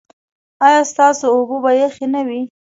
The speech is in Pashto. ایا ستاسو اوبه به یخې نه وي؟